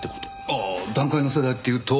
ああ団塊の世代っていうと。